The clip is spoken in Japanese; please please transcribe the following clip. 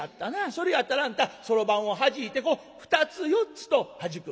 それやったらあんたそろばんをはじいてこう２つ４つとはじく」。